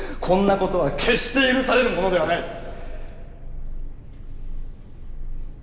こんなことは決して許されるものではない！